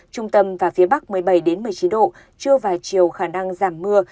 trung tâm và phía bắc một mươi bảy một mươi chín độ chưa vài chiều khả năng giảm mưa